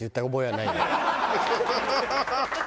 ハハハハ！